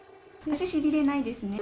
足、しびれないですね。